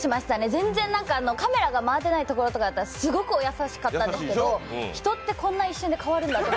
全然カメラが回ってないところだとすごく優しかったんですけど人って、こんな一瞬で変わるんだなって。